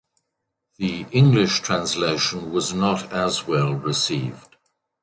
The English translation was not as well received.